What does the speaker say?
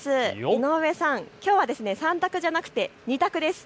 井上さん、きょうは３択じゃなくて２択です。